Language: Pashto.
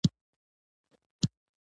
یوه شاخصه یې د دیموکراسۍ ختمول دي.